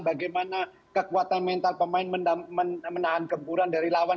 bagaimana kekuatan mental pemain menahan gempuran dari lawan